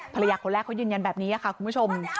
ภรรยาคนแรกเขายืนยันแบบนี้ค่ะคุณผู้ชม